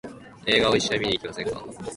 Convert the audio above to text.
映画を一緒に見に行きませんか？